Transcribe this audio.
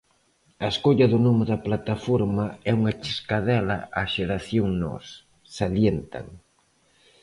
A escolla do nome da plataforma é unha chiscadela á Xeración Nós, salientan.